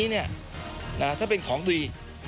อย่างนี้เนี่ยถ้าเป็นของดี